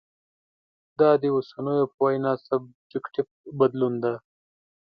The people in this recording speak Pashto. دا د اوسنو په وینا سبجکټیف بدلون دی.